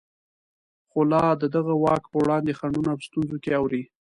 خو لا د دغه واک په وړاندې خنډونه په ستونزو کې اوړي.